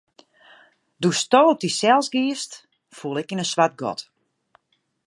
Doe'tsto op dysels giest, foel ik yn in swart gat.